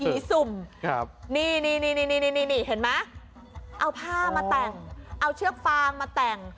สุ่มนี่เห็นไหมเอาผ้ามาแต่งเอาเชือกฟางมาแต่ง